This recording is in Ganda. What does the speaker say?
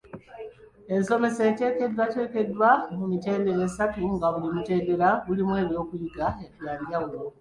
Ensomesa eteekeddwateekeddwa mu mitendera esatu nga buli mutendera gulimu ebyokuyiga bya njawulo.